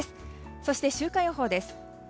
そして、週間予報です。